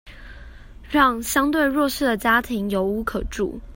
讓相對弱勢的家庭有屋可住